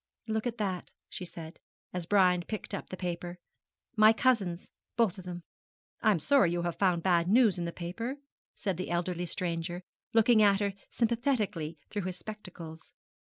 'Look at that,' she said, as Brian picked up the paper; 'my cousins, both of them.' 'I am sorry you have found bad news in the paper,' said the elderly stranger, looking at her sympathetically through his spectacles.